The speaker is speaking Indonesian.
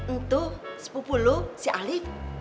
itu sepupu lo si alif